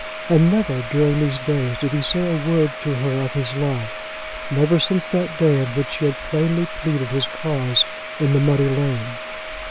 And never during these days did he say a word to her of his love, never since that day in which he had plainly pleaded his cause in the muddy lane.